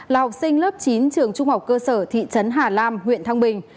là học sinh lớp chín trường trung học cơ sở thị trấn hà lam huyện thăng bình